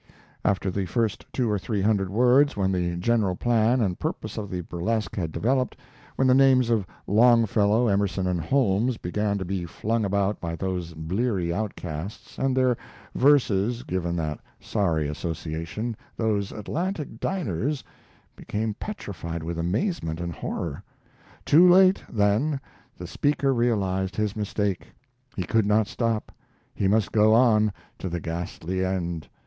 After the first two or three hundred words, when the general plan and purpose of the burlesque had developed, when the names of Longfellow, Emerson, and Holmes began to be flung about by those bleary outcasts, and their verses given that sorry association, those Atlantic diners became petrified with amazement and horror. Too late, then, the speaker realized his mistake. He could not stop, he must go on to the ghastly end.